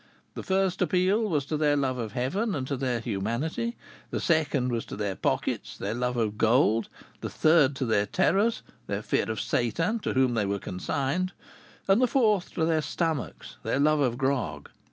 The first appeal was to their love of heaven and to their humanity; the second was to their pockets, their love of gold; the third to their terrors, their fear of Satan, to whom they were consigned; and the fourth to their stomachs, their love of grog.